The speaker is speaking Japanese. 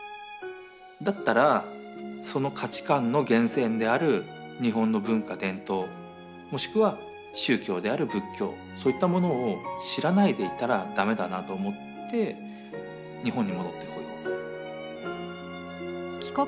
だったらその価値観の源泉である日本の文化伝統もしくは宗教である仏教そういったものを知らないでいたらダメだなと思って日本に戻ってこようと。